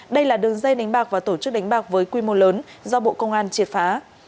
đây là đường dây đánh bạc và tổ chức đánh bạc với quy mô lớn do bộ công an triệt phá